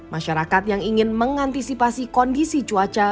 masyarakat yang ingin mengantisipasi kondisi cuaca